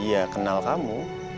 iya kenal kamu